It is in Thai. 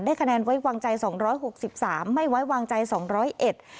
คะแนนไว้วางใจสองร้อยหกสิบสามไม่ไว้วางใจสองร้อยเอ็ด